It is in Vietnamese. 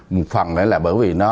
một phần nữa là bởi vì